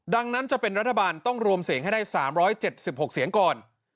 ดังนั้นจะเป็นรัฐบาลต้องรวมเสียงให้ได้๓๗๖เสียงก่อน